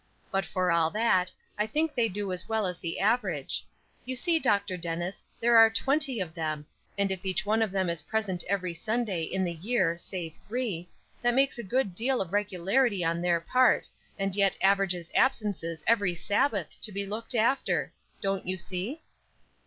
But for all that, I think they do as well as the average. You see, Dr. Dennis, there are twenty of them, and if each one of them is present every Sunday in the year save three, that makes a good deal of regularity on their part, and yet averages absences every Sabbath to be looked after. Don't you see?"